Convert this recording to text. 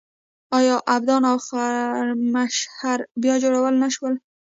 آیا ابادان او خرمشهر بیا جوړ نه شول؟